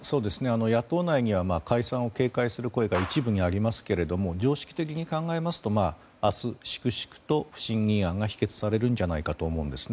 野党内には解散を警戒する声が一部にありますけれども常識的に考えますと明日、粛々と不信任案が否決されるんじゃないかと思うんですね。